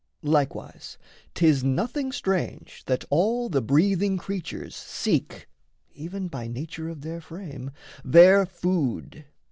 Likewise, 'Tis nothing strange that all the breathing creatures Seek, even by nature of their frame, their food.